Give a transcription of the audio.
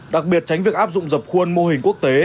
đặc biệt tránh việc áp dụng dập khuôn mô hình quốc tế